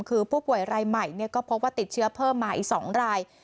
คือผู้ป่วยรายใหม่ก็พบว่าติดเชื้อเพิ่มมาอีก๒ราย